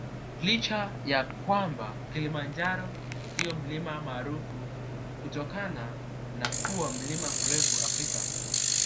Licha ya kwamba Kilimanjaro ndio mlima maarufu kutokana na kuwa mlima mrefu Afrika